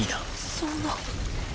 そんな。